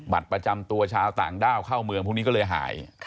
ประจำตัวชาวต่างด้าวเข้าเมืองพวกนี้ก็เลยหาย